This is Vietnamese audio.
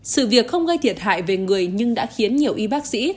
sự việc không gây thiệt hại về người nhưng đã khiến nhiều y bác sĩ